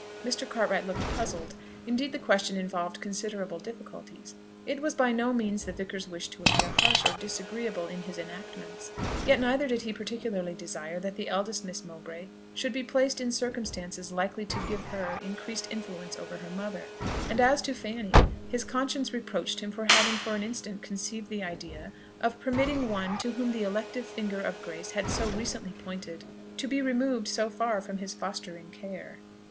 Mr. Cartwright looked puzzled; indeed the question involved considerable difficulties. It was by no means the vicar's wish to appear harsh or disagreeable in his enactments; yet neither did he particularly desire that the eldest Miss Mowbray should be placed in circumstances likely to give her increased influence over her mother: and as to Fanny, his conscience reproached him for having for an instant conceived the idea of permitting one to whom the elective finger of grace had so recently pointed to be removed so far from his fostering care.